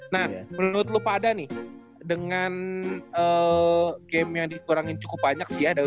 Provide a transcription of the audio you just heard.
nah menurut lu pak ada nih dengan game yang dikurangin cukup banyak sih ya